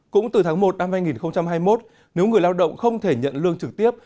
cũng từ tháng một năm hai nghìn hai mươi một nếu người lao động không thể nhận lương trực tiếp